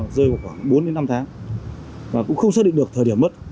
rơi vào khoảng bốn đến năm tháng và cũng không xác định được thời điểm mất